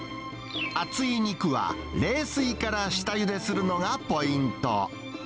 厚い肉は、冷水から下ゆでするのがポイント。